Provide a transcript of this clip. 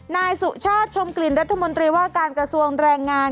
นายสุชาติชมกลิ่นรัฐมนตรีว่าการกระทรวงแรงงาน